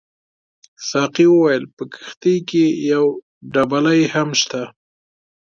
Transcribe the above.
ساقي وویل په کښتۍ کې یو دبلۍ هم شته.